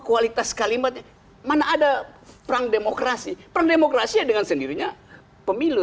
kualitas kalimatnya mana ada perang demokrasi perang demokrasinya dengan sendirinya pemilu